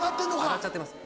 上がっちゃってます。